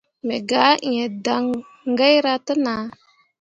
Me gah ĩĩ daŋgaira te nah.